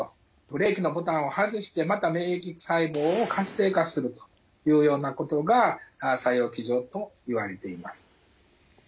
ブレーキのボタンを外してまた免疫細胞を活性化するというようなことが作用機序といわれています。